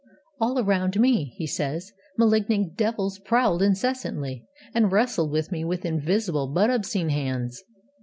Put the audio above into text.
'All around me,' he says, 'malignant devils prowled incessantly, and wrestled with me with invisible but obscene hands.'